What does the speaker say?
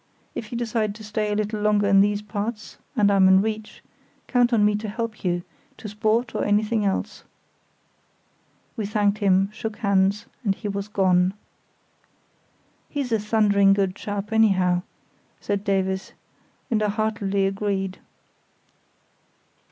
If you decide to stay a little longer in these parts, and I'm in reach, count on me to help you, to sport or anything else." We thanked him, shook hands, and he was gone. "He's a thundering good chap, anyhow," said Davies; and I heartily agreed.